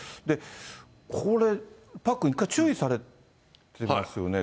これ、パックン、一回注意されてますよね。